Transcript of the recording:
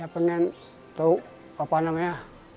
pengen tau apa namanya